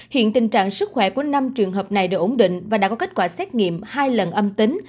hiện tình trạng sức khỏe của năm trường hợp này đều ổn định và đã có kết quả xét nghiệm hai lần âm tính